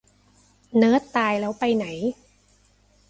เนิร์ดตายแล้วไปไหน ?